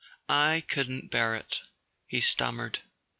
I couldn't bear it," he stammered.